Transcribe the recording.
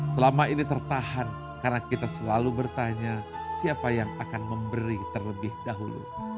selama ini tertahan karena kita selalu bertanya siapa yang akan memberi terlebih dahulu